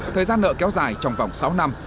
thời gian nợ kéo dài trong vòng sáu năm